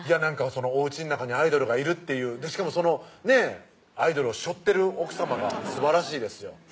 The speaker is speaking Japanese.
おうちの中にアイドルがいるっていうしかもそのねアイドルをしょってる奥さまがすばらしいですよ